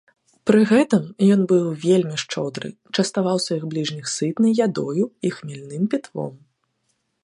Пры гэтым ён быў вельмі шчодры, частаваў сваіх бліжніх сытнай ядою і хмельным пітвом.